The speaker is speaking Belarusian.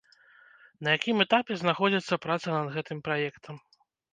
На якім этапе знаходзіцца праца над гэтым праектам?